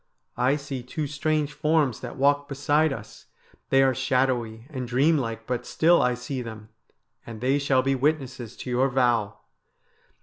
I see two strange forms that walk beside us. They are shadowy and dream like, but still I see them, and they shall be witnesses to your vow.'